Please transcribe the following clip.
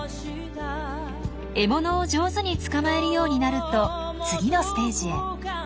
獲物を上手に捕まえるようになると次のステージへ。